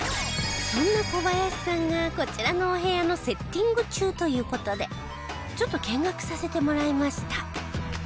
そんな小林さんがこちらのお部屋のセッティング中という事でちょっと見学させてもらいました。